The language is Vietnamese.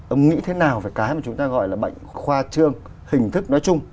ông nghĩ thế nào về cái mà chúng ta gọi là bệnh khoa trương hình thức nói chung